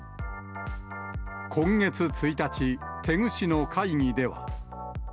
今月１日、テグ市の会議では。